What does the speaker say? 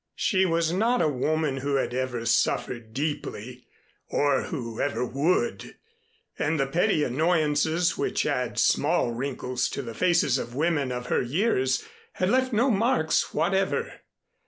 She was not a woman who had ever suffered deeply, or who ever would, and the petty annoyances which add small wrinkles to the faces of women of her years had left no marks whatever.